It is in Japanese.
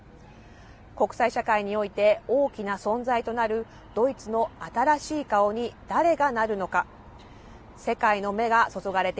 国際社会において、大きな存在となるドイツの新しい顔に誰がなるのか。